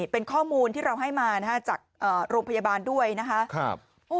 เป็นข้อมูลที่เราให้มาจากโรงพยาบาลด้วยนะคะ